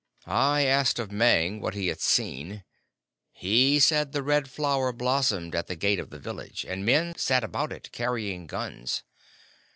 "I asked of Mang what he had seen. He said the Red Flower blossomed at the gate of the village, and men sat about it carrying guns.